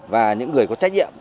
và những người có trách nhiệm